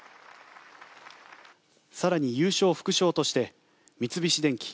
更に、優勝副賞として三菱電機、